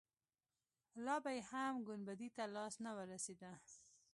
لا به يې هم ګنبدې ته لاس نه وررسېده.